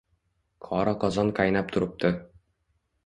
Qora qozon qaynab turibdi